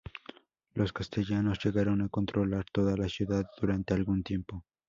Los castellanos llegaron a controlar toda la ciudad durante algún tiempo.